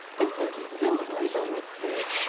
全部脱いじゃうの？っていう。